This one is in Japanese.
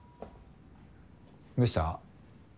どうした？